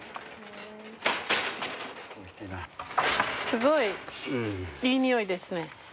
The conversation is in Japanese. すごい。いい匂いですね。